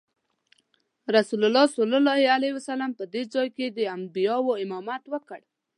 رسول الله صلی الله علیه وسلم په دې ځای کې د انبیاوو امامت وکړ.